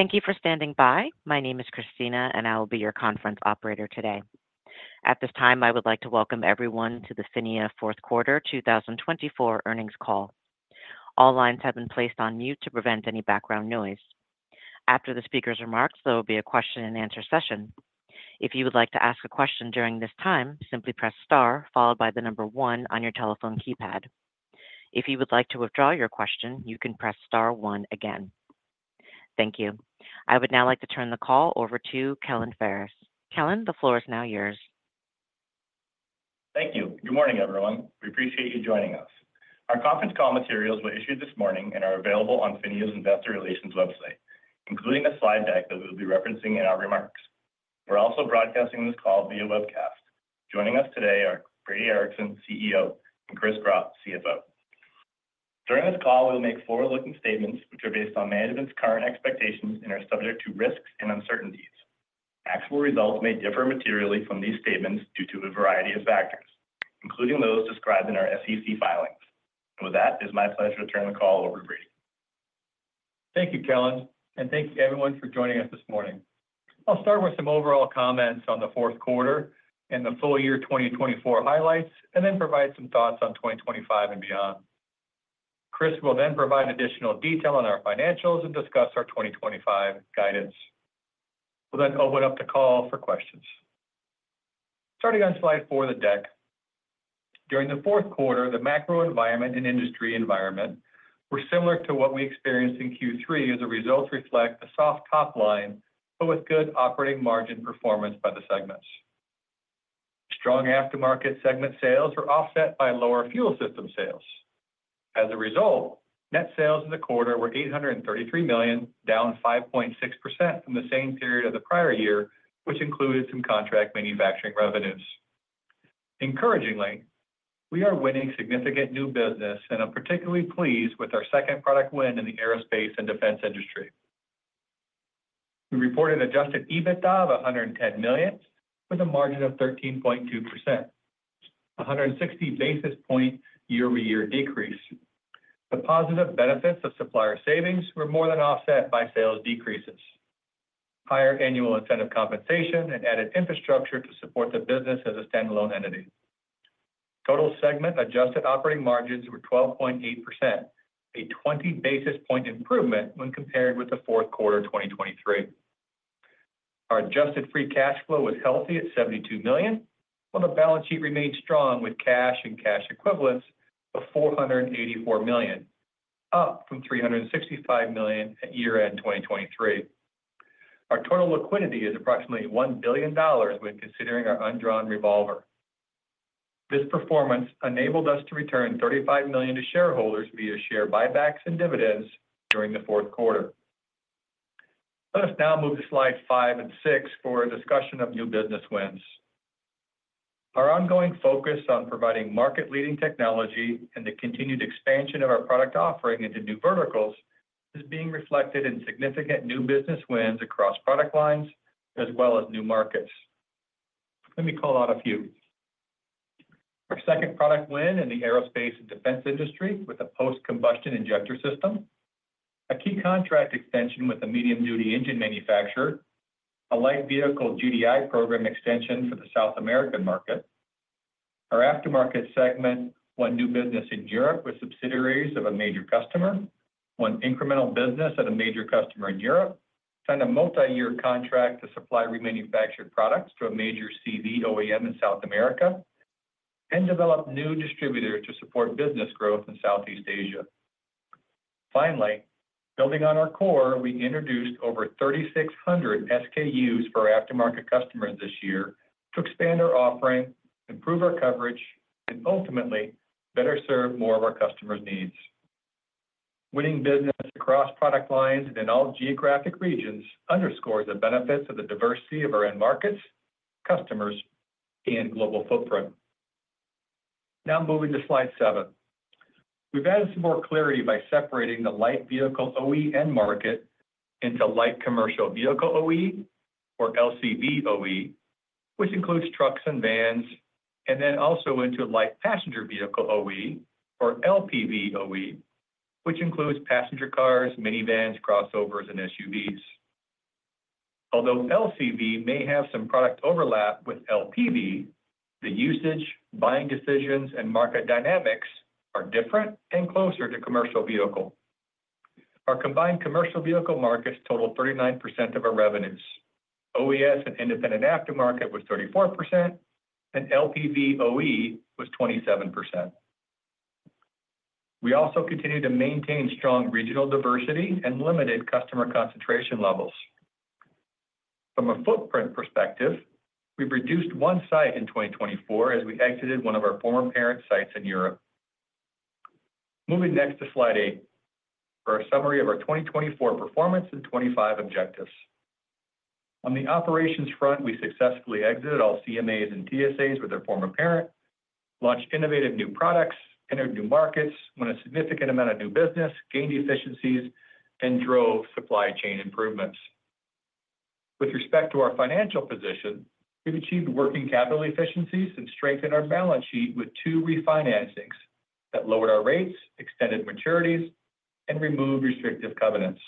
Thank you for standing by. My name is Christina, and I will be your conference operator today. At this time, I would like to welcome everyone to the PHINIA Fourth Quarter 2024 earnings call. All lines have been placed on mute to prevent any background noise. After the speaker's remarks, there will be a question-and-answer session. If you would like to ask a question during this time, simply press star followed by the number one on your telephone keypad. If you would like to withdraw your question, you can press star one again. Thank you. I would now like to turn the call over to Kellen Ferris. Kellen, the floor is now yours. Thank you. Good morning, everyone. We appreciate you joining us. Our conference call materials were issued this morning and are available on PHINIA's Investor Relations website, including the slide deck that we'll be referencing in our remarks. We're also broadcasting this call via webcast. Joining us today are Brady Ericson, CEO, and Chris Gropp, CFO. During this call, we will make forward-looking statements which are based on management's current expectations and are subject to risks and uncertainties. Actual results may differ materially from these statements due to a variety of factors, including those described in our SEC filings, and with that, it is my pleasure to turn the call over to Brady. Thank you, Kellen, and thank you, everyone, for joining us this morning. I'll start with some overall comments on the fourth quarter and the full year 2024 highlights, and then provide some thoughts on 2025 and beyond. Chris will then provide additional detail on our financials and discuss our 2025 guidance. We'll then open up the call for questions. Starting on slide four of the deck, during the fourth quarter, the macro environment and industry environment were similar to what we experienced in Q3 as the results reflect a soft top line, but with good operating margin performance by the segments. Strong Aftermarket segment sales were offset by lower fuel system sales. As a result, net sales in the quarter were $833 million, down 5.6% from the same period of the prior year, which included some contract manufacturing revenues. Encouragingly, we are winning significant new business, and I'm particularly pleased with our second product win in the aerospace and defense industry. We reported Adjusted EBITDA of $110 million, with a margin of 13.2%, a 160 basis points year-over-year decrease. The positive benefits of supplier savings were more than offset by sales decreases, higher annual incentive compensation and added infrastructure to support the business as a standalone entity. Total segment adjusted operating margins were 12.8%, a 20 basis points improvement when compared with the fourth quarter 2023. Our adjusted free cash flow was healthy at $72 million, while the balance sheet remained strong with cash and cash equivalents of $484 million, up from $365 million at year-end 2023. Our total liquidity is approximately $1 billion when considering our undrawn revolver. This performance enabled us to return $35 million to shareholders via share buybacks and dividends during the fourth quarter. Let us now move to slides five and six for a discussion of new business wins. Our ongoing focus on providing market-leading technology and the continued expansion of our product offering into new verticals is being reflected in significant new business wins across product lines as well as new markets. Let me call out a few. Our second product win in the aerospace and defense industry with a post-combustion injector system, a key contract extension with a medium-duty engine manufacturer, a light vehicle GDI program extension for the South American market, our aftermarket segment, one new business in Europe with subsidiaries of a major customer, one incremental business at a major customer in Europe, signed a multi-year contract to supply remanufactured products to a major CV OEM in South America, and developed new distributors to support business growth in Southeast Asia. Finally, building on our core, we introduced over 3,600 SKUs for aftermarket customers this year to expand our offering, improve our coverage, and ultimately better serve more of our customers' needs. Winning business across product lines and in all geographic regions underscores the benefits of the diversity of our end markets, customers, and global footprint. Now moving to slide seven, we've added some more clarity by separating the light vehicle OEM market into light commercial vehicle OE, or LCV OE, which includes trucks and vans, and then also into light passenger vehicle OE, or LPV OE, which includes passenger cars, minivans, crossovers, and SUVs. Although LCV may have some product overlap with LPV, the usage, buying decisions, and market dynamics are different and closer to commercial vehicle. Our combined commercial vehicle markets total 39% of our revenues. OES and independent aftermarket was 34%, and LPV OE was 27%. We also continue to maintain strong regional diversity and limited customer concentration levels. From a footprint perspective, we've reduced one site in 2024 as we exited one of our former parent sites in Europe. Moving next to slide eight for a summary of our 2024 performance and 25 objectives. On the operations front, we successfully exited all CMAs and TSAs with their former parent, launched innovative new products, entered new markets, won a significant amount of new business, gained efficiencies, and drove supply chain improvements. With respect to our financial position, we've achieved working capital efficiencies and strengthened our balance sheet with two refinancings that lowered our rates, extended maturities, and removed restrictive covenants.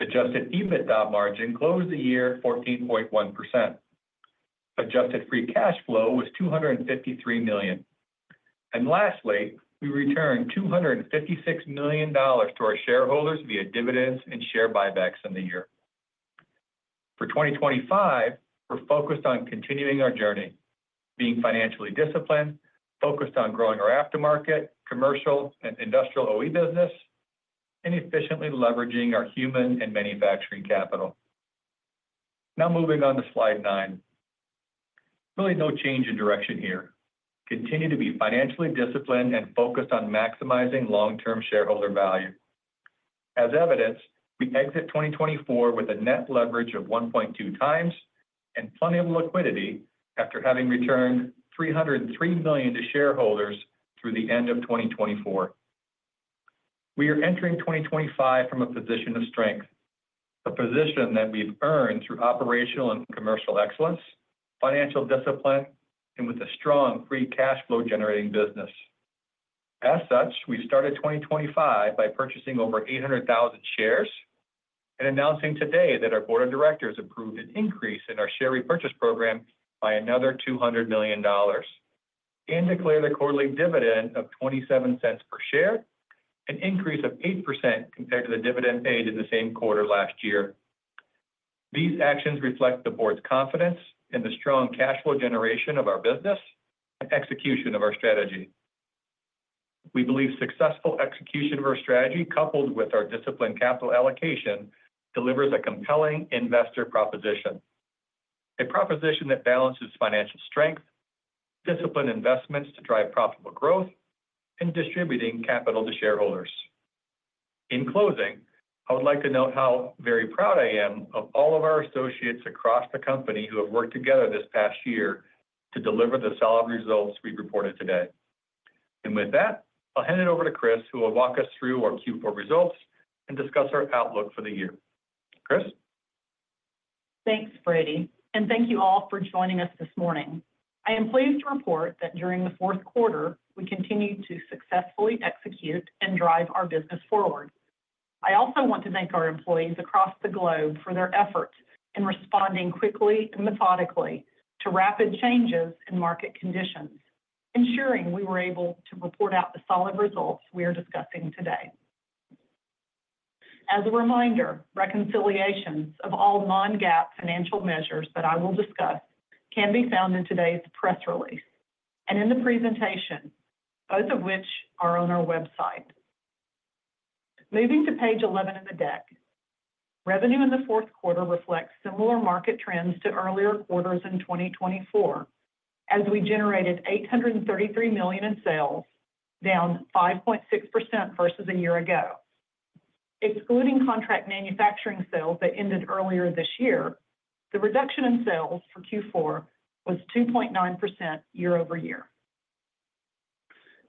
Adjusted EBITDA margin closed the year 14.1%. Adjusted free cash flow was $253 million. And lastly, we returned $256 million to our shareholders via dividends and share buybacks in the year. For 2025, we're focused on continuing our journey, being financially disciplined, focused on growing our aftermarket, commercial, and industrial OE business, and efficiently leveraging our human and manufacturing capital. Now moving on to slide nine, really no change in direction here. Continue to be financially disciplined and focused on maximizing long-term shareholder value. As evidence, we exit 2024 with a net leverage of 1.2 times and plenty of liquidity after having returned $303 million to shareholders through the end of 2024. We are entering 2025 from a position of strength, a position that we've earned through operational and commercial excellence, financial discipline, and with a strong free cash flow-generating business. As such, we started 2025 by purchasing over 800,000 shares and announcing today that our board of directors approved an increase in our share repurchase program by another $200 million and declared a quarterly dividend of $0.27 per share, an increase of 8% compared to the dividend paid in the same quarter last year. These actions reflect the board's confidence in the strong cash flow generation of our business and execution of our strategy. We believe successful execution of our strategy, coupled with our disciplined capital allocation, delivers a compelling investor proposition, a proposition that balances financial strength, disciplined investments to drive profitable growth, and distributing capital to shareholders. In closing, I would like to note how very proud I am of all of our associates across the company who have worked together this past year to deliver the solid results we've reported today. And with that, I'll hand it over to Chris, who will walk us through our Q4 results and discuss our outlook for the year. Chris. Thanks, Brady. And thank you all for joining us this morning. I am pleased to report that during the fourth quarter, we continued to successfully execute and drive our business forward. I also want to thank our employees across the globe for their efforts in responding quickly and methodically to rapid changes in market conditions, ensuring we were able to report out the solid results we are discussing today. As a reminder, reconciliations of all non-GAAP financial measures that I will discuss can be found in today's press release and in the presentation, both of which are on our website. Moving to page 11 in the deck, revenue in the fourth quarter reflects similar market trends to earlier quarters in 2024, as we generated $833 million in sales, down 5.6% versus a year ago. Excluding contract manufacturing sales that ended earlier this year, the reduction in sales for Q4 was 2.9% year-over-year.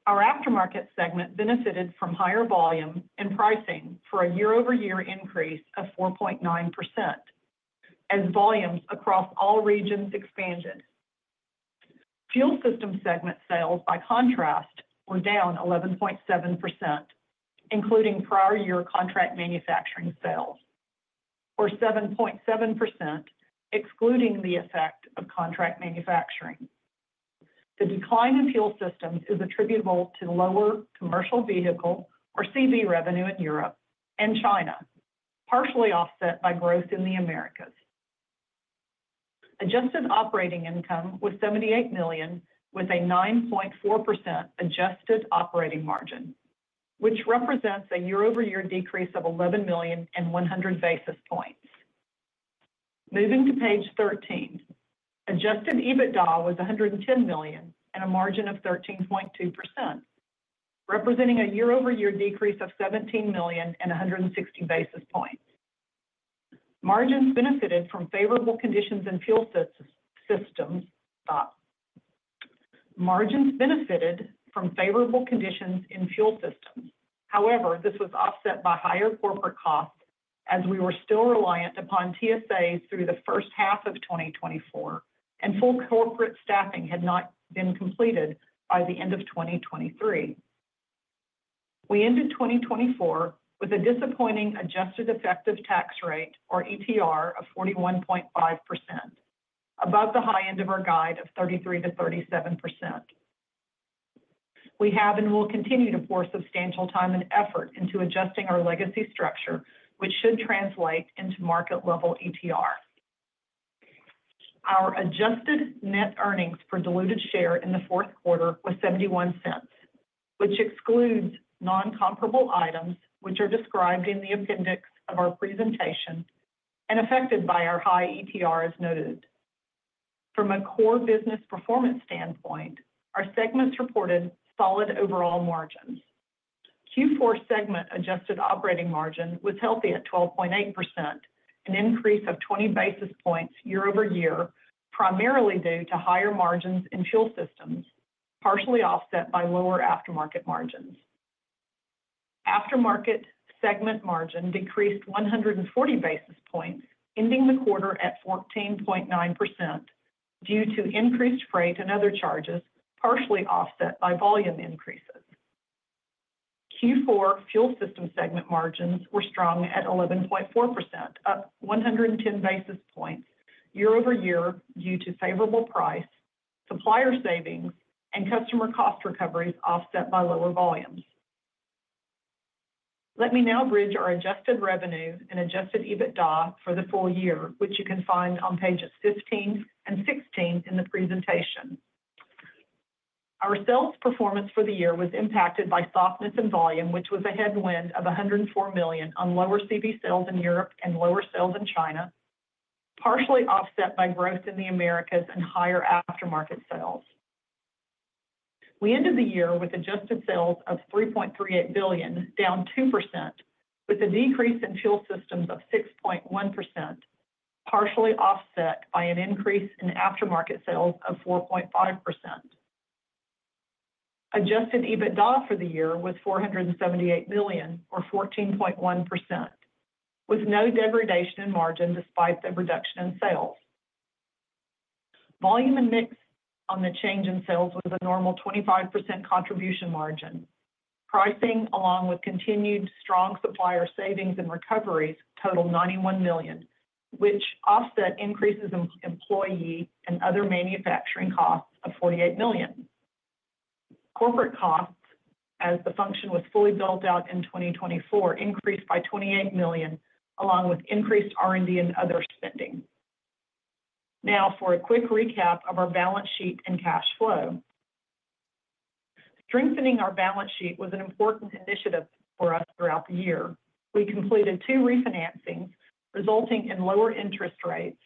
Our aftermarket segment benefited from higher volume and pricing for a year-over-year increase of 4.9% as volumes across all regions expanded. Fuel Systems segment sales, by contrast, were down 11.7%, including prior-year contract manufacturing sales, or 7.7%, excluding the effect of contract manufacturing. The decline in Fuel Systems is attributable to lower commercial vehicle or CV revenue in Europe and China, partially offset by growth in the Americas. Adjusted operating income was $78 million, with a 9.4% adjusted operating margin, which represents a year-over-year decrease of $11 million and 100 basis points. Moving to page 13, Adjusted EBITDA was $110 million and a margin of 13.2%, representing a year-over-year decrease of $17 million and 160 basis points. Margins benefited from favorable conditions in Fuel Systems. Margins benefited from favorable conditions in Fuel Systems. However, this was offset by higher corporate costs as we were still reliant upon TSAs through the first half of 2024, and full corporate staffing had not been completed by the end of 2023. We ended 2024 with a disappointing adjusted effective tax rate, or ETR, of 41.5%, above the high end of our guide of 33%-37%. We have and will continue to pour substantial time and effort into adjusting our legacy structure, which should translate into market-level ETR. Our adjusted net earnings for diluted share in the fourth quarter was $0.71, which excludes non-comparable items, which are described in the appendix of our presentation and affected by our high ETR, as noted. From a core business performance standpoint, our segments reported solid overall margins. Q4 segment adjusted operating margin was healthy at 12.8%, an increase of 20 basis points year-over-year, primarily due to higher margins in Fuel Systems, partially offset by lower aftermarket margins. Aftermarket segment margin decreased 140 basis points, ending the quarter at 14.9% due to increased freight and other charges, partially offset by volume increases. Q4 fuel system segment margins were strong at 11.4%, up 110 basis points year-over-year due to favorable price, supplier savings, and customer cost recoveries offset by lower volumes. Let me now bridge our adjusted revenue and adjusted EBITDA for the full year, which you can find on pages 15 and 16 in the presentation. Our sales performance for the year was impacted by softness in volume, which was a headwind of $104 million on lower CV sales in Europe and lower sales in China, partially offset by growth in the Americas and higher aftermarket sales. We ended the year with adjusted sales of $3.38 billion, down 2%, with a decrease in Fuel Systems of 6.1%, partially offset by an increase in aftermarket sales of 4.5%. Adjusted EBITDA for the year was $478 million, or 14.1%, with no degradation in margin despite the reduction in sales. Volume and mix on the change in sales was a normal 25% contribution margin. Pricing, along with continued strong supplier savings and recoveries, totaled $91 million, which offset increases in employee and other manufacturing costs of $48 million. Corporate costs, as the function was fully built out in 2024, increased by $28 million, along with increased R&D and other spending. Now, for a quick recap of our balance sheet and cash flow. Strengthening our balance sheet was an important initiative for us throughout the year. We completed two refinancings, resulting in lower interest rates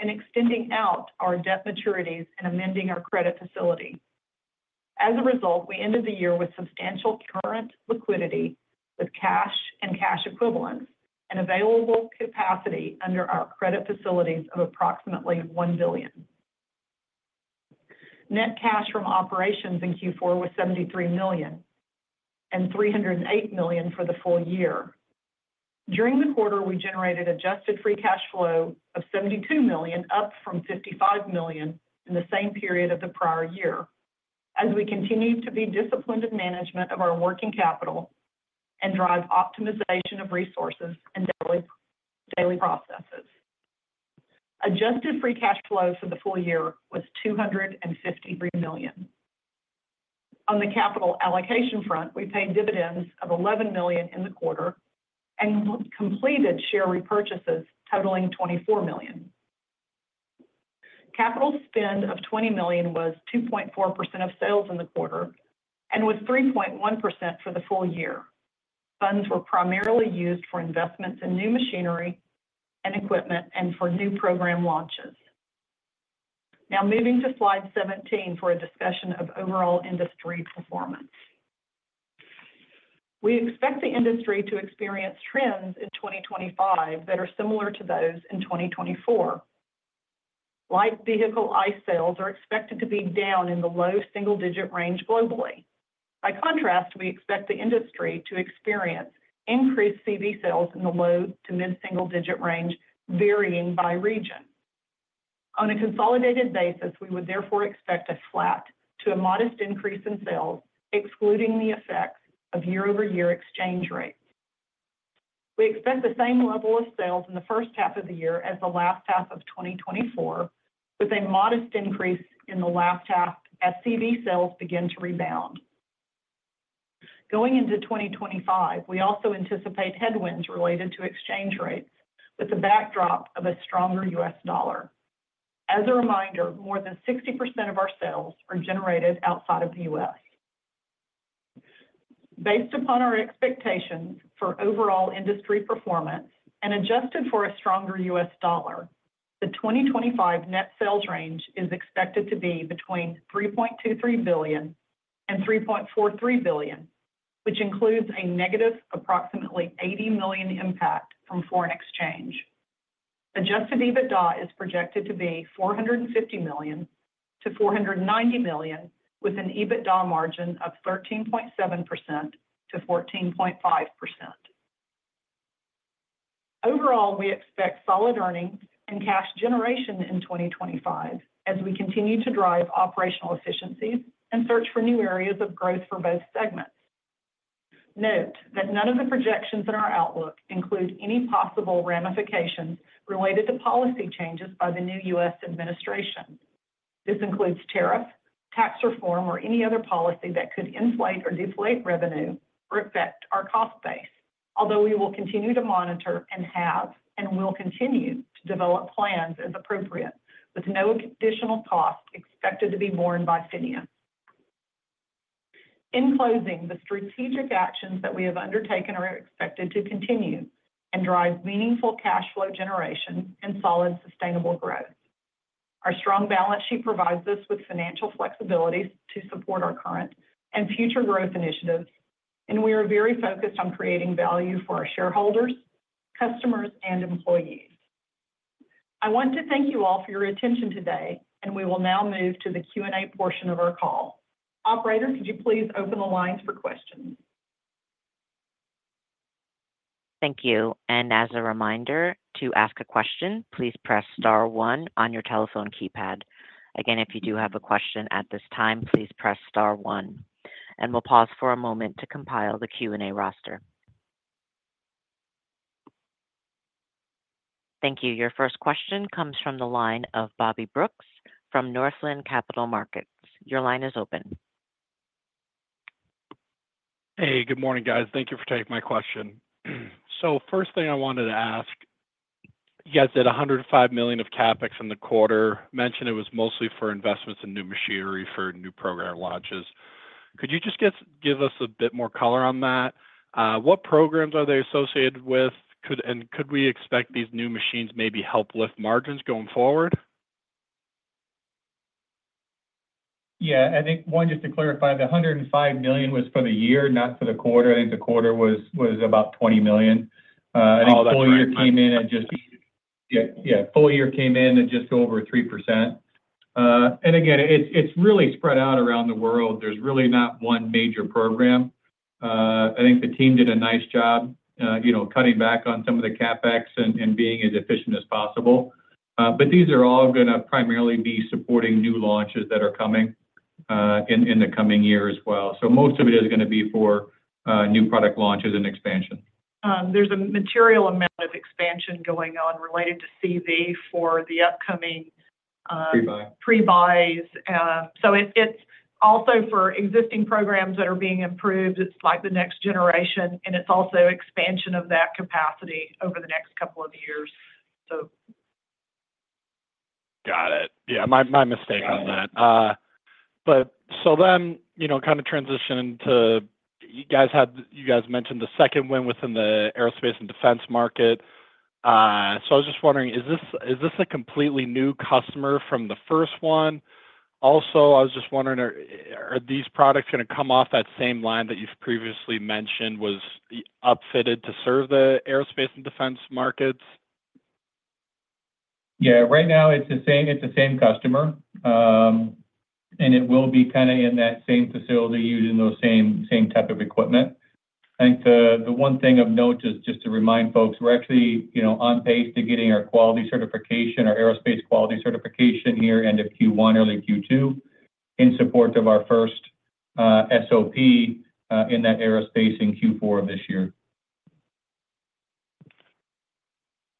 and extending out our debt maturities and amending our credit facility. As a result, we ended the year with substantial current liquidity with cash and cash equivalents and available capacity under our credit facilities of approximately $1 billion. Net cash from operations in Q4 was $73 million and $308 million for the full year. During the quarter, we generated adjusted free cash flow of $72 million, up from $55 million in the same period of the prior year, as we continued to be disciplined in management of our working capital and drive optimization of resources and daily processes. Adjusted free cash flow for the full year was $253 million. On the capital allocation front, we paid dividends of $11 million in the quarter and completed share repurchases totaling $24 million. Capital spend of $20 million was 2.4% of sales in the quarter and was 3.1% for the full year. Funds were primarily used for investments in new machinery and equipment and for new program launches. Now, moving to slide 17 for a discussion of overall industry performance. We expect the industry to experience trends in 2025 that are similar to those in 2024. Light vehicle IHS sales are expected to be down in the low single-digit range globally. By contrast, we expect the industry to experience increased CV sales in the low to mid-single-digit range, varying by region. On a consolidated basis, we would therefore expect a flat to a modest increase in sales, excluding the effects of year-over-year exchange rates. We expect the same level of sales in the first half of the year as the last half of 2024, with a modest increase in the last half as CV sales begin to rebound. Going into 2025, we also anticipate headwinds related to exchange rates with the backdrop of a stronger U.S. dollar. As a reminder, more than 60% of our sales are generated outside of the U.S. Based upon our expectations for overall industry performance and adjusted for a stronger U.S. dollar, the 2025 net sales range is expected to be between $3.23 billion and $3.43 billion, which includes a negative approximately $80 million impact from foreign exchange. Adjusted EBITDA is projected to be $450 million-$490 million, with an EBITDA margin of 13.7%-14.5%. Overall, we expect solid earnings and cash generation in 2025 as we continue to drive operational efficiencies and search for new areas of growth for both segments. Note that none of the projections in our outlook include any possible ramifications related to policy changes by the new U.S. administration. This includes tariffs, tax reform, or any other policy that could inflate or deflate revenue or affect our cost base, although we will continue to monitor and we will continue to develop plans as appropriate, with no additional cost expected to be borne by PHINIA. In closing, the strategic actions that we have undertaken are expected to continue and drive meaningful cash flow generation and solid sustainable growth. Our strong balance sheet provides us with financial flexibilities to support our current and future growth initiatives, and we are very focused on creating value for our shareholders, customers, and employees. I want to thank you all for your attention today, and we will now move to the Q&A portion of our call. Operator, could you please open the lines for questions? Thank you. And as a reminder, to ask a question, please press star one on your telephone keypad. Again, if you do have a question at this time, please press star one. And we'll pause for a moment to compile the Q&A roster. Thank you. Your first question comes from the line of Bobby Brooks from Northland Capital Markets. Your line is open. Hey, good morning, guys. Thank you for taking my question. So first thing I wanted to ask, you guys did $105 million of CapEx in the quarter. Mentioned it was mostly for investments in new machinery for new program launches. Could you just give us a bit more color on that? What programs are they associated with? And could we expect these new machines maybe help lift margins going forward? Yeah. I think one, just to clarify, the $105 million was for the year, not for the quarter. I think the quarter was about $20 million. I think full year came in and just over 3%. And again, it's really spread out around the world. There's really not one major program. I think the team did a nice job cutting back on some of the CapEx and being as efficient as possible. But these are all going to primarily be supporting new launches that are coming in the coming year as well. So most of it is going to be for new product launches and expansion. There's a material amount of expansion going on related to CV for the upcoming pre-buys. So it's also for existing programs that are being improved. It's like the next generation, and it's also expansion of that capacity over the next couple of years, so. Got it. Yeah, my mistake on that. But so then kind of transitioning to you guys mentioned the second win within the aerospace and defense market. So I was just wondering, is this a completely new customer from the first one? Also, I was just wondering, are these products going to come off that same line that you've previously mentioned was upfitted to serve the aerospace and defense markets? Yeah. Right now, it's the same customer, and it will be kind of in that same facility using those same type of equipment. I think the one thing of note is just to remind folks, we're actually on pace to getting our quality certification, our aerospace quality certification here, end of Q1, early Q2, in support of our first SOP in that aerospace in Q4 of this year.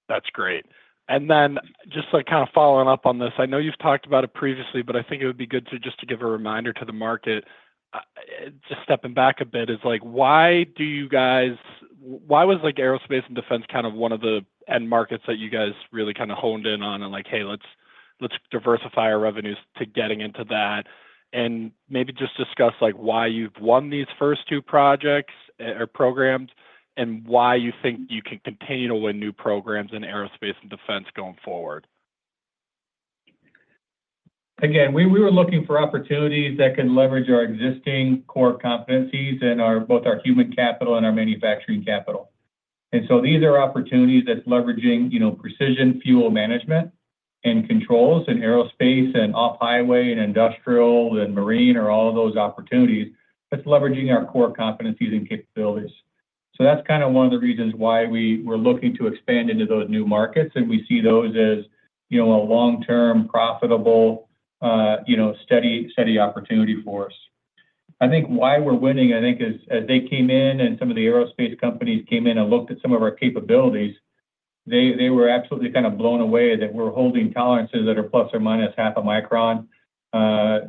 That's great. And then just kind of following up on this, I know you've talked about it previously, but I think it would be good just to give a reminder to the market, just stepping back a bit, is why was aerospace and defense kind of one of the end markets that you guys really kind of honed in on and like, "Hey, let's diversify our revenues to getting into that"? And maybe just discuss why you've won these first two projects or programs and why you think you can continue to win new programs in aerospace and defense going forward. Again, we were looking for opportunities that can leverage our existing core competencies and both our human capital and our manufacturing capital, and so these are opportunities that's leveraging precision fuel management and controls in aerospace and off-highway and industrial and marine or all of those opportunities that's leveraging our core competencies and capabilities, so that's kind of one of the reasons why we're looking to expand into those new markets, and we see those as a long-term, profitable, steady opportunity for us. I think why we're winning, I think, is as they came in and some of the aerospace companies came in and looked at some of our capabilities, they were absolutely kind of blown away that we're holding tolerances that are plus or minus half a micron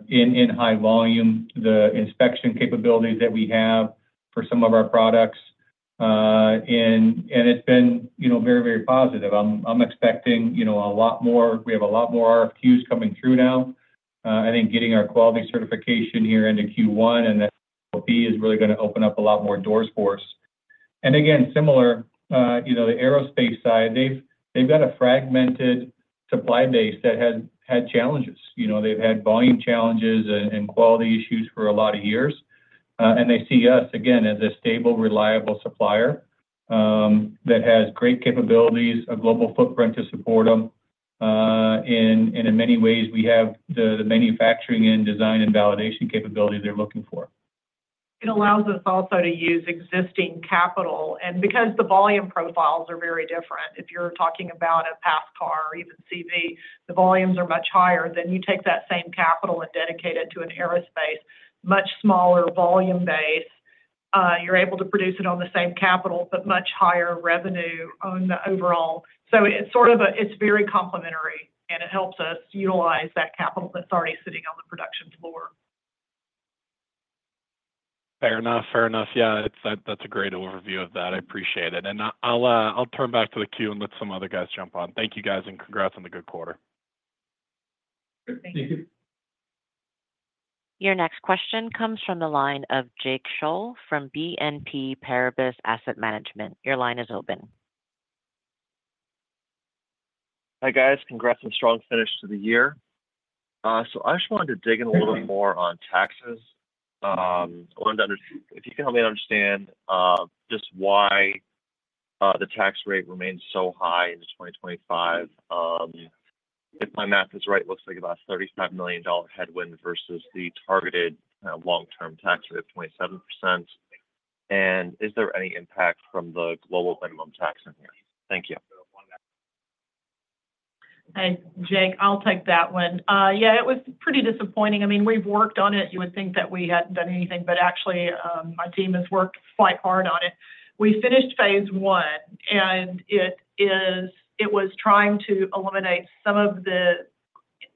in high volume, the inspection capabilities that we have for some of our products, and it's been very, very positive. I'm expecting a lot more. We have a lot more queues coming through now. I think getting our quality certification here into Q1 and that SOP is really going to open up a lot more doors for us. And again, similar, the aerospace side, they've got a fragmented supply base that has had challenges. They've had volume challenges and quality issues for a lot of years. And they see us, again, as a stable, reliable supplier that has great capabilities, a global footprint to support them. And in many ways, we have the manufacturing and design and validation capability they're looking for. It allows us also to use existing capital, and because the volume profiles are very different, if you're talking about a PassCar or even CV, the volumes are much higher, then you take that same capital and dedicate it to an aerospace, much smaller volume base. You're able to produce it on the same capital, but much higher revenue on the overall, so it's sort of a, it's very complementary, and it helps us utilize that capital that's already sitting on the production floor. Fair enough. Fair enough. Yeah, that's a great overview of that. I appreciate it and I'll turn back to the queue and let some other guys jump on. Thank you, guys, and congrats on the good quarter. Thank you. Thank you. Your next question comes from the line of Jake Scholl from BNP Paribas Asset Management. Your line is open. Hey, guys. Congrats on a strong finish to the year. So I just wanted to dig in a little bit more on taxes. I wanted to understand if you can help me understand just why the tax rate remains so high in 2025. If my math is right, it looks like about a $35 million headwind versus the targeted long-term tax rate of 27%. And is there any impact from the global minimum tax in here? Thank you. And Jake, I'll take that one. Yeah, it was pretty disappointing. I mean, we've worked on it. You would think that we hadn't done anything, but actually, my team has worked quite hard on it. We finished phase one, and it was trying to eliminate some of the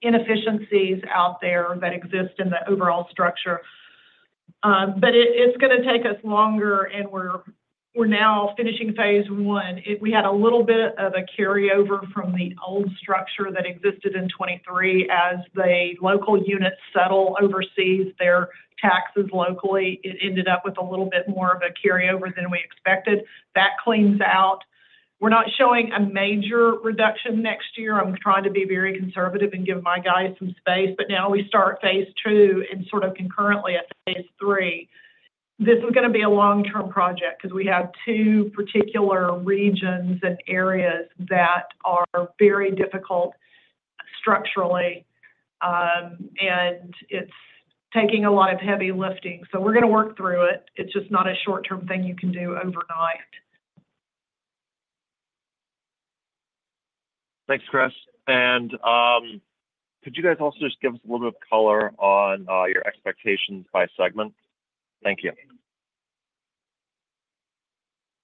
inefficiencies out there that exist in the overall structure. But it's going to take us longer, and we're now finishing phase one. We had a little bit of a carryover from the old structure that existed in 2023. As the local units settle overseas, their taxes locally, it ended up with a little bit more of a carryover than we expected. That cleans out. We're not showing a major reduction next year. I'm trying to be very conservative and give my guys some space. But now we start phase two and sort of concurrently at phase three. This is going to be a long-term project because we have two particular regions and areas that are very difficult structurally, and it's taking a lot of heavy lifting. So we're going to work through it. It's just not a short-term thing you can do overnight. Thanks, Chris. And could you guys also just give us a little bit of color on your expectations by segment? Thank you.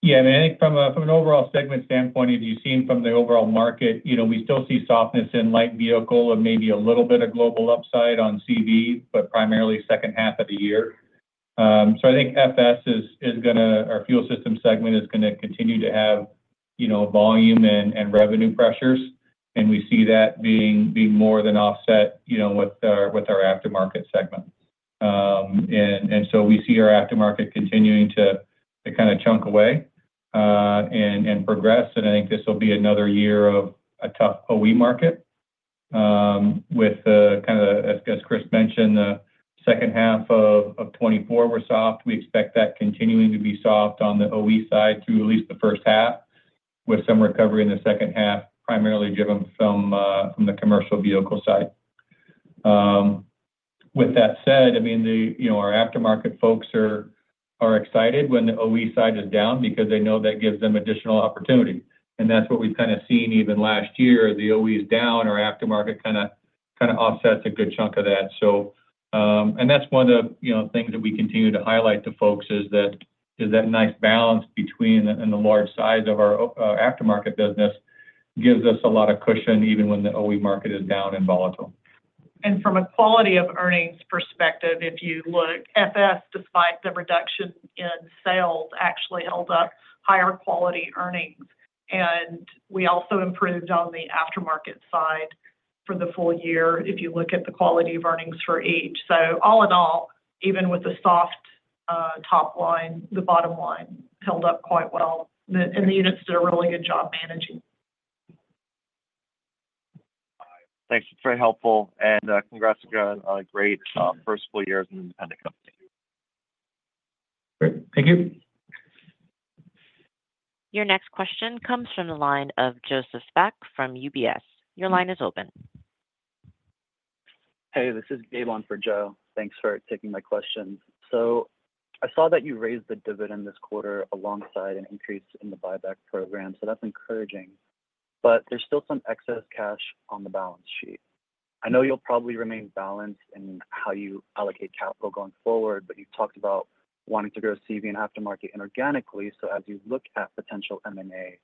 Yeah, and I think from an overall segment standpoint, if you've seen from the overall market, we still see softness in light vehicle and maybe a little bit of global upside on CV, but primarily second half of the year. So, I think FS is going to, our fuel system segment is going to continue to have volume and revenue pressures. And we see that being more than offset with our aftermarket segment. So we see our aftermarket continuing to kind of chug away and progress. And I think this will be another year of a tough OE market. With kind of, as Chris mentioned, the second half of 2024 was soft. We expect that continuing to be soft on the OE side through at least the first half, with some recovery in the second half, primarily driven from the commercial vehicle side. With that said, I mean, our aftermarket folks are excited when the OE side is down because they know that gives them additional opportunity. And that's what we've kind of seen even last year. The OE is down, our aftermarket kind of offsets a good chunk of that. And that's one of the things that we continue to highlight to folks is that nice balance between and the large size of our aftermarket business gives us a lot of cushion even when the OE market is down and volatile. And from a quality of earnings perspective, if you look, FS, despite the reduction in sales, actually held up higher quality earnings. And we also improved on the aftermarket side for the full year if you look at the quality of earnings for each. So all in all, even with the soft top line, the bottom line held up quite well. And the units did a really good job managing. Thanks. Very helpful. And congrats again on a great first full year as an independent company. Great. Thank you. Your next question comes from the line of Joseph Spak from UBS. Your line is open. Hey, this is Gabe on for Joe. Thanks for taking my question. So I saw that you raised the dividend this quarter alongside an increase in the buyback program. So that's encouraging. But there's still some excess cash on the balance sheet. I know you'll probably remain balanced in how you allocate capital going forward, but you've talked about wanting to grow CV and aftermarket inorganically. So as you look at potential M&A,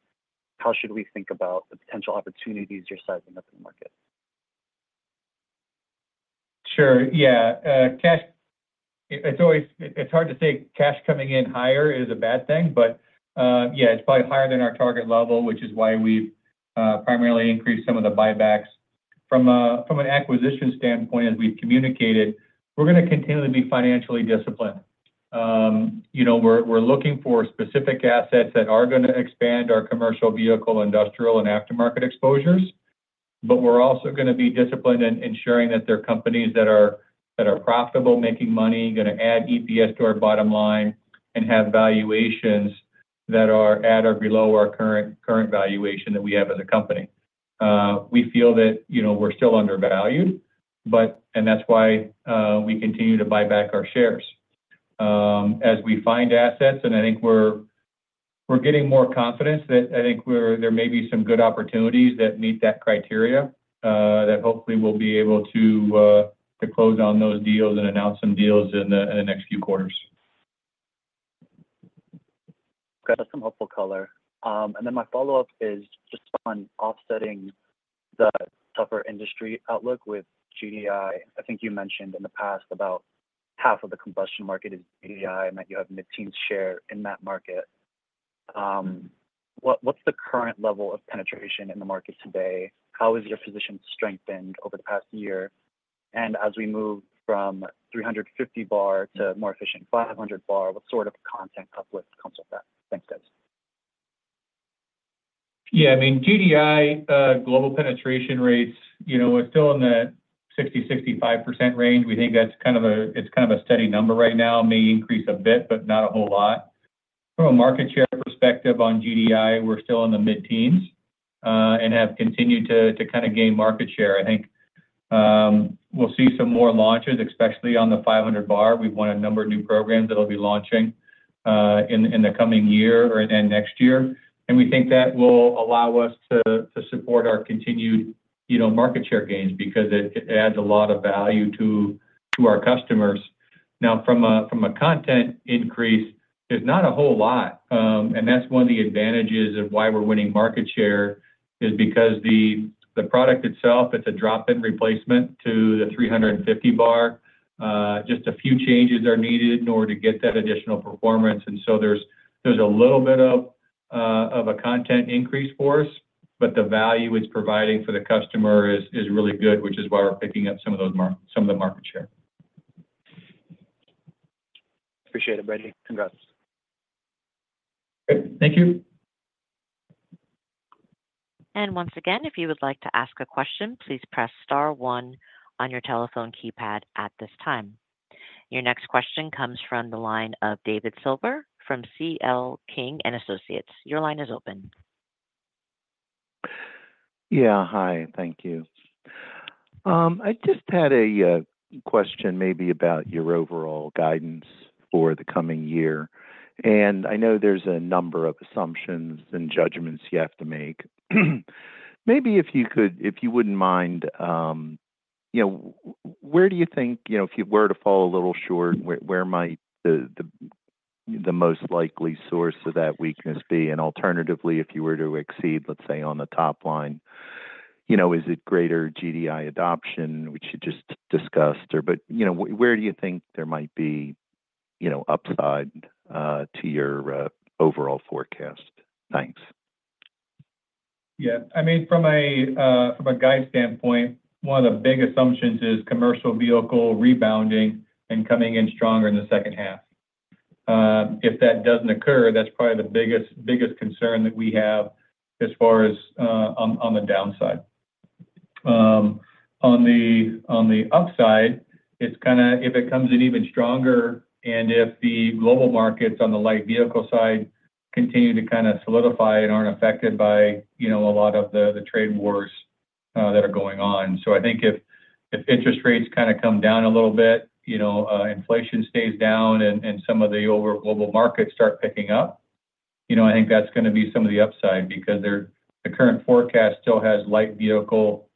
how should we think about the potential opportunities you're sizing up in the market? Sure. Yeah. It's hard to say cash coming in higher is a bad thing, but yeah, it's probably higher than our target level, which is why we've primarily increased some of the buybacks. From an acquisition standpoint, as we've communicated, we're going to continue to be financially disciplined. We're looking for specific assets that are going to expand our commercial vehicle, industrial, and aftermarket exposures. But we're also going to be disciplined in ensuring that there are companies that are profitable, making money, going to add EPS to our bottom line, and have valuations that are at or below our current valuation that we have as a company. We feel that we're still undervalued, and that's why we continue to buy back our shares. As we find assets, and I think we're getting more confidence that I think there may be some good opportunities that meet that criteria that hopefully we'll be able to close on those deals and announce some deals in the next few quarters. Got some helpful color, and then my follow-up is just on offsetting the tougher industry outlook with GDI. I think you mentioned in the past about half of the combustion market is GDI, and that you have a mid-teens share in that market. What's the current level of penetration in the market today? How has your position strengthened over the past year, and as we move from 350 bar to more efficient 500 bar, what sort of content uplift comes with that? Thanks, guys. Yeah. I mean, GDI global penetration rates are still in the 60-65% range. We think that's kind of a, it's kind of a steady number right now. May increase a bit, but not a whole lot. From a market share perspective on GDI, we're still in the mid-teens and have continued to kind of gain market share. I think we'll see some more launches, especially on the 500 bar. We've won a number of new programs that will be launching in the coming year and next year. And we think that will allow us to support our continued market share gains because it adds a lot of value to our customers. Now, from a content increase, there's not a whole lot. And that's one of the advantages of why we're winning market share is because the product itself, it's a drop-in replacement to the 350 bar. Just a few changes are needed in order to get that additional performance, and so there's a little bit of a content increase for us, but the value it's providing for the customer is really good, which is why we're picking up some of the market share. Appreciate it, Brady. Congrats. Great. Thank you. Once again, if you would like to ask a question, please press star one on your telephone keypad at this time. Your next question comes from the line of David Silver from CL King and Associates. Your line is open. Yeah. Hi. Thank you. I just had a question maybe about your overall guidance for the coming year. And I know there's a number of assumptions and judgments you have to make. Maybe if you wouldn't mind, where do you think if you were to fall a little short, where might the most likely source of that weakness be? And alternatively, if you were to exceed, let's say, on the top line, is it greater GDI adoption, which you just discussed? But where do you think there might be upside to your overall forecast? Thanks. Yeah. I mean, from a guide standpoint, one of the big assumptions is commercial vehicle rebounding and coming in stronger in the second half. If that doesn't occur, that's probably the biggest concern that we have as far as on the downside. On the upside, it's kind of if it comes in even stronger and if the global markets on the light vehicle side continue to kind of solidify and aren't affected by a lot of the trade wars that are going on. So I think if interest rates kind of come down a little bit, inflation stays down, and some of the overall global markets start picking up, I think that's going to be some of the upside because the current forecast still has light vehicle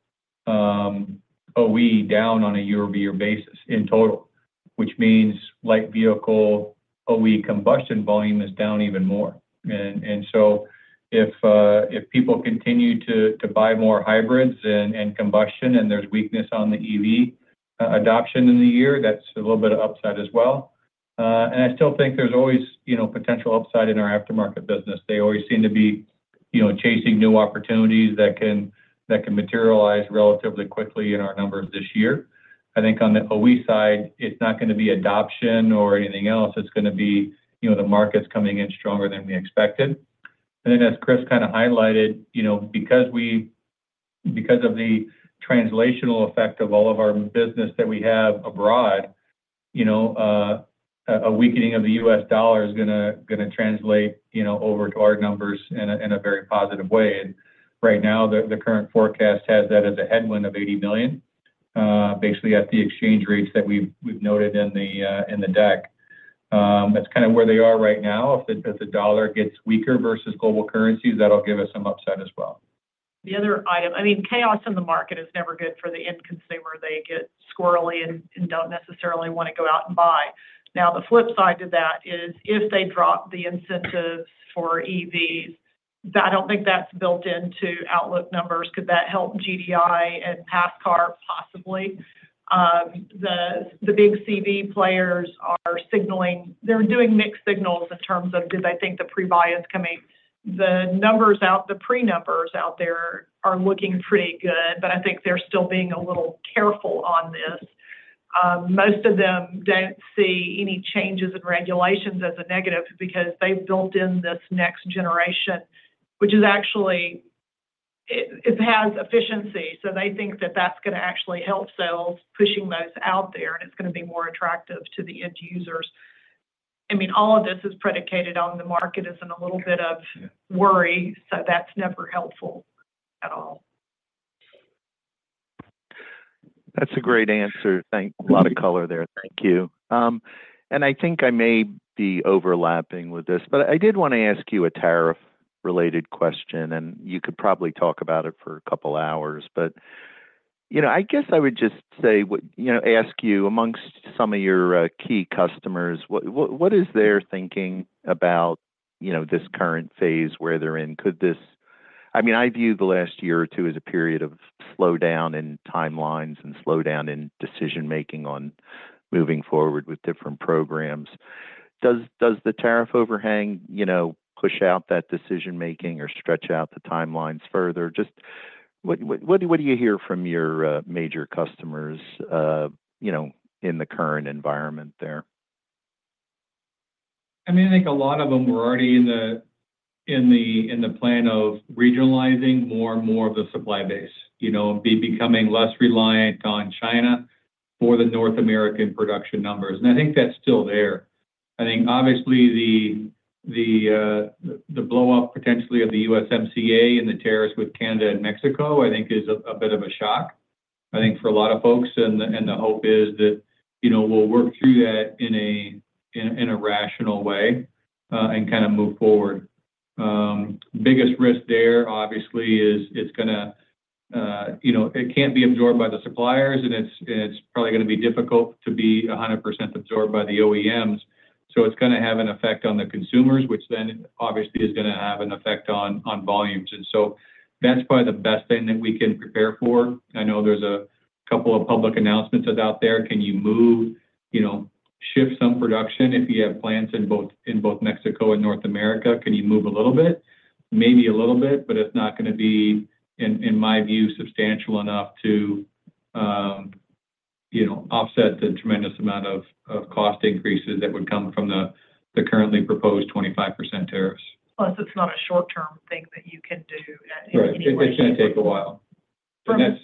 OE down on a year-over-year basis in total, which means light vehicle OE combustion volume is down even more. And so if people continue to buy more hybrids and combustion and there's weakness on the EV adoption in the year, that's a little bit of upside as well. And I still think there's always potential upside in our aftermarket business. They always seem to be chasing new opportunities that can materialize relatively quickly in our numbers this year. I think on the OE side, it's not going to be adoption or anything else. It's going to be the markets coming in stronger than we expected. And then, as Chris kind of highlighted, because of the translational effect of all of our business that we have abroad, a weakening of the U.S. dollar is going to translate over to our numbers in a very positive way. Right now, the current forecast has that as a headwind of $80 million, basically at the exchange rates that we've noted in the deck. That's kind of where they are right now. If the dollar gets weaker versus global currencies, that'll give us some upside as well. The other item, I mean, chaos in the market is never good for the end consumer. They get squirrely and don't necessarily want to go out and buy. Now, the flip side to that is if they drop the incentives for EVs, I don't think that's built into outlook numbers. Could that help GDI and PassCar possibly? The big CV players are signaling they're doing mixed signals in terms of do they think the pre-buy is coming. The numbers out, the pre-numbers out there are looking pretty good, but I think they're still being a little careful on this. Most of them don't see any changes in regulations as a negative because they've built in this next generation, which is actually it has efficiency. So they think that that's going to actually help sales pushing those out there, and it's going to be more attractive to the end users. I mean, all of this is predicated on the market is in a little bit of worry. So that's never helpful at all. That's a great answer. Thank you. A lot of color there. Thank you. And I think I may be overlapping with this, but I did want to ask you a tariff-related question, and you could probably talk about it for a couple of hours. But I guess I would just say, ask you, amongst some of your key customers, what is their thinking about this current phase where they're in? I mean, I view the last year or two as a period of slowdown in timelines and slowdown in decision-making on moving forward with different programs. Does the tariff overhang push out that decision-making or stretch out the timelines further? Just what do you hear from your major customers in the current environment there? I mean, I think a lot of them were already in the plan of regionalizing more and more of the supply base, becoming less reliant on China for the North American production numbers. And I think that's still there. I think, obviously, the blow-up potentially of the USMCA and the tariffs with Canada and Mexico, I think, is a bit of a shock, I think, for a lot of folks. And the hope is that we'll work through that in a rational way and kind of move forward. Biggest risk there, obviously, is it's going to. It can't be absorbed by the suppliers, and it's probably going to be difficult to be 100% absorbed by the OEMs. So it's going to have an effect on the consumers, which then, obviously, is going to have an effect on volumes. And so that's probably the best thing that we can prepare for. I know there's a couple of public announcements out there. Can you move, shift some production if you have plants in both Mexico and North America? Can you move a little bit? Maybe a little bit, but it's not going to be, in my view, substantial enough to offset the tremendous amount of cost increases that would come from the currently proposed 25% tariffs. Plus, it's not a short-term thing that you can do in any way. It's going to take a while, and that's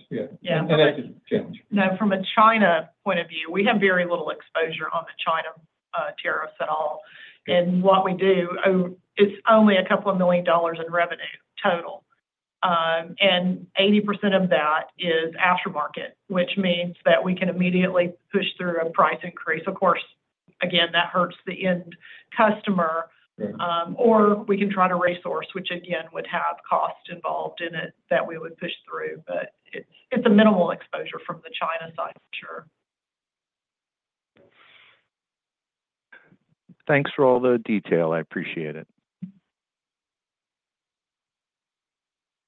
a challenge. Now, from a China point of view, we have very little exposure on the China tariffs at all, and what we do, it's only $2 million in revenue total, and 80% of that is aftermarket, which means that we can immediately push through a price increase. Of course, again, that hurts the end customer, or we can try to resource, which, again, would have cost involved in it that we would push through, but it's a minimal exposure from the China side, for sure. Thanks for all the detail. I appreciate it.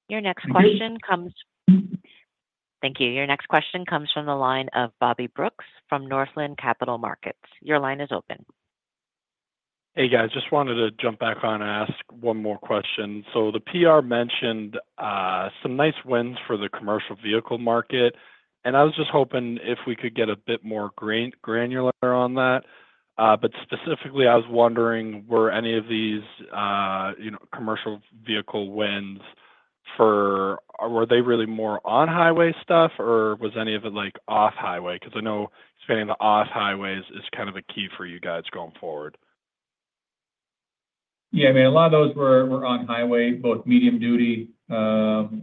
Your next question comes. Thank you. Your next question comes from the line of Bobby Brooks from Northland Capital Markets. Your line is open. Hey, guys. Just wanted to jump back on and ask one more question, so the PR mentioned some nice wins for the commercial vehicle market, and I was just hoping if we could get a bit more granular on that, but specifically, I was wondering, were any of these commercial vehicle wins for were they really more on-highway stuff, or was any of it off-highway? Because I know expanding the off-highways is kind of a key for you guys going forward. Yeah. I mean, a lot of those were on-highway, both medium duty and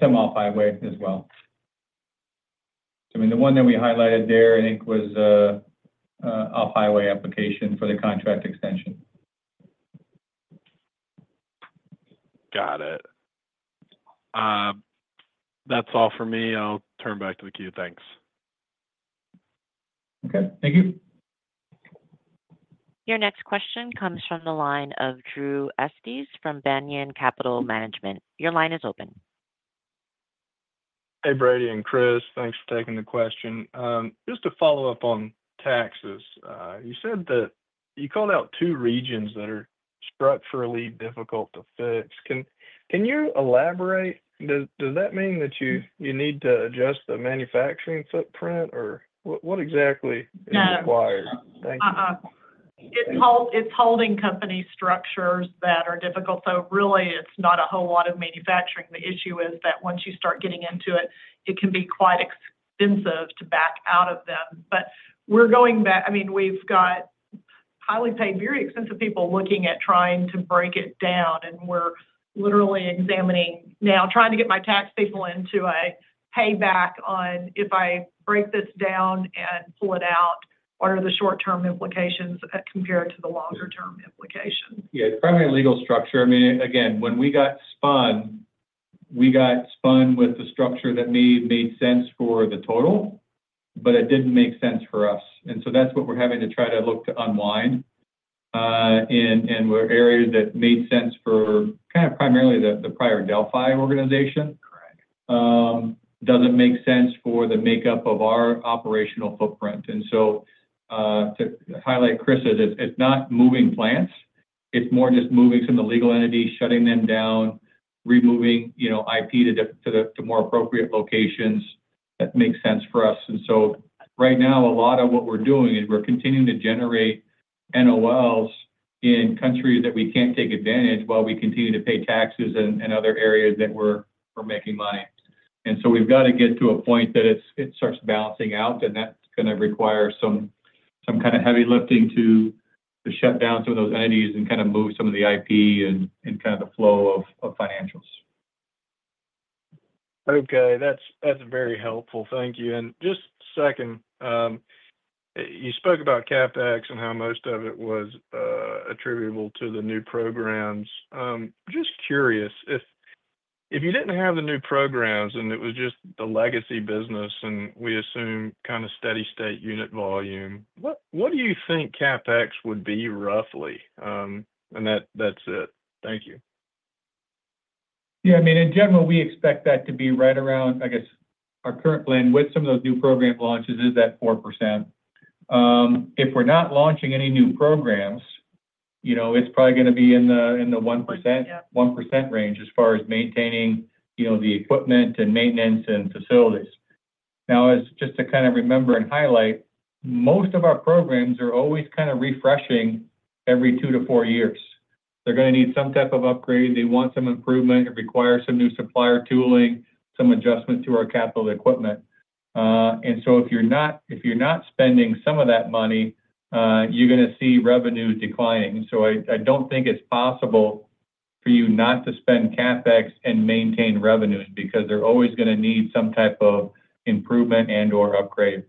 some off-highway as well. I mean, the one that we highlighted there, I think, was off-highway application for the contract extension. Got it. That's all for me. I'll turn back to the queue. Thanks. Okay. Thank you. Your next question comes from the line of Drew Estes from Banyan Capital Management. Your line is open. Hey, Brady and Chris. Thanks for taking the question. Just to follow up on taxes, you said that you called out two regions that are structurally difficult to fix. Can you elaborate? Does that mean that you need to adjust the manufacturing footprint, or what exactly is required? Thank you. It's holding company structures that are difficult. So really, it's not a whole lot of manufacturing. The issue is that once you start getting into it, it can be quite expensive to back out of them. But we're going back. I mean, we've got highly paid, very expensive people looking at trying to break it down. And we're literally examining now, trying to get my tax people into a payback on if I break this down and pull it out, what are the short-term implications compared to the longer-term implications? Yeah. Primarily legal structure. I mean, again, when we got spun, we got spun with the structure that made sense for the total, but it didn't make sense for us. And so that's what we're having to try to look to unwind. And there are areas that made sense for kind of primarily the prior Delphi organization. Doesn't make sense for the makeup of our operational footprint. And so to highlight Chris's, it's not moving plants. It's more just moving some of the legal entities, shutting them down, removing IP to more appropriate locations that make sense for us. And so right now, a lot of what we're doing is we're continuing to generate NOLs in countries that we can't take advantage while we continue to pay taxes in other areas that we're making money. And so we've got to get to a point that it starts balancing out. And that's going to require some kind of heavy lifting to shut down some of those entities and kind of move some of the IP and kind of the flow of financials. Okay. That's very helpful. Thank you. And just a second. You spoke about CapEx and how most of it was attributable to the new programs. Just curious, if you didn't have the new programs and it was just the legacy business and we assume kind of steady state unit volume, what do you think CapEx would be roughly? And that's it. Thank you. Yeah. I mean, in general, we expect that to be right around, I guess, our current plan with some of those new program launches is that 4%. If we're not launching any new programs, it's probably going to be in the 1% range as far as maintaining the equipment and maintenance and facilities. Now, just to kind of remember and highlight, most of our programs are always kind of refreshing every two to four years. They're going to need some type of upgrade. They want some improvement. It requires some new supplier tooling, some adjustment to our capital equipment. And so if you're not spending some of that money, you're going to see revenue declining. So I don't think it's possible for you not to spend CapEx and maintain revenues because they're always going to need some type of improvement and/or upgrade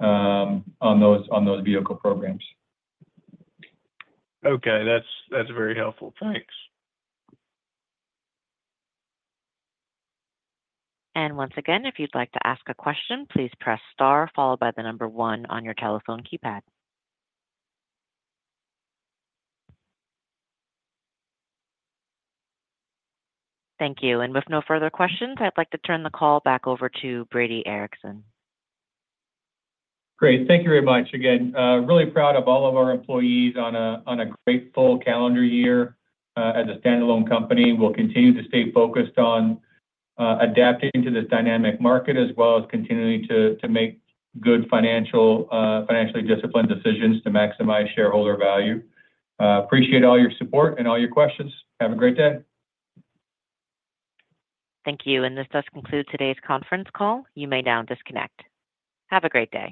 on those vehicle programs. Okay. That's very helpful. Thanks. Once again, if you'd like to ask a question, please press star followed by the number one on your telephone keypad. Thank you. With no further questions, I'd like to turn the call back over to Brady Ericson. Great. Thank you very much again. Really proud of all of our employees in a great calendar year. As a standalone company, we'll continue to stay focused on adapting to this dynamic market as well as continuing to make good financially disciplined decisions to maximize shareholder value. Appreciate all your support and all your questions. Have a great day. Thank you. And this does conclude today's conference call. You may now disconnect. Have a great day.